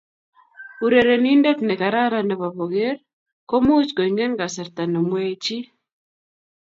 urerenindet ne karan nebo poker ko much koingen kasarta ne mwei chii